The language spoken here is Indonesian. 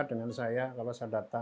dan menjaga kemampuan